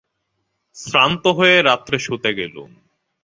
শ্রান্ত হয়ে রাত্রে শুতে গেলুম।